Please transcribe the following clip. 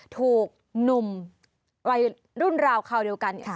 ถูกหนุ่มวัยรุ่นราวคราวเดียวกัน